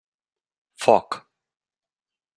Foc.